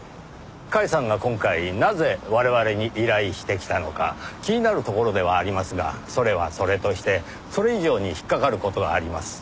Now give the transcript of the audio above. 甲斐さんが今回なぜ我々に依頼してきたのか気になるところではありますがそれはそれとしてそれ以上に引っかかる事があります。